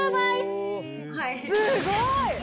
すごい。